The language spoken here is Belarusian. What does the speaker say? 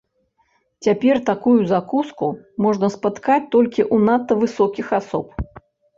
Цяпер такую закуску можна спаткаць толькі ў надта высокіх асоб.